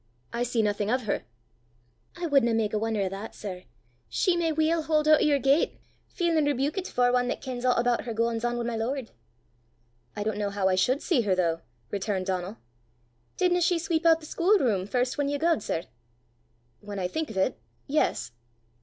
" I see nothing of her." "I wudna mak a won'er o' that, sir! She may weel haud oot o' your gait, feelin' rebukit afore ane 'at kens a' aboot her gaein's on wi' my lord!" "I don't know how I should see her, though!" returned Donal. "Didna she sweep oot the schoolroom first whan ye gaed, sir?" "When I think of it yes."